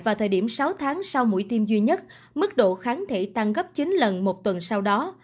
vào thời điểm sáu tháng sau mũi tiêm duy nhất mức độ kháng thể tăng gấp chín lần một tuần sau đó